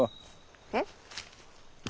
えっ？